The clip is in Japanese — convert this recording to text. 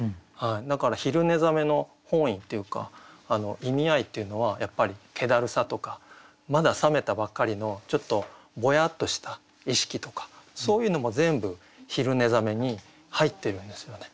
だから「昼寝覚」の本意っていうか意味合いっていうのはやっぱりけだるさとかまだ覚めたばっかりのちょっとぼやっとした意識とかそういうのも全部「昼寝覚」に入ってるんですよね。